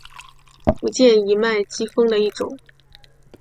福建畸脉姬蜂的一种。